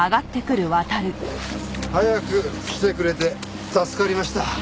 早く来てくれて助かりました。